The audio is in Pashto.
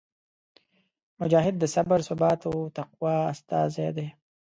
مجاهد د صبر، ثبات او تقوا استازی دی.